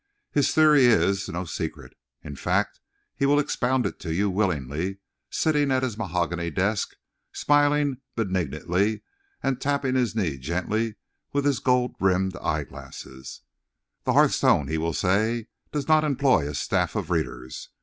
His theory is no secret; in fact, he will expound it to you willingly sitting at his mahogany desk, smiling benignantly and tapping his knee gently with his gold rimmed eye glasses. "The Hearthstone," he will say, "does not employ a staff of readers.